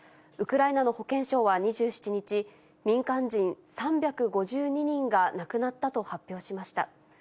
ウクライナの保健省は２７日、民間人３５２人が亡くなったと発表しました。